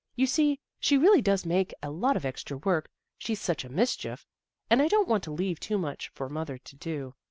" You see, she really does make a lot of extra work, she's such a mischief, and I don't want to leave too much for mother to do."